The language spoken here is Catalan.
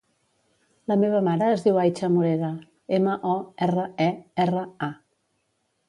La meva mare es diu Aicha Morera: ema, o, erra, e, erra, a.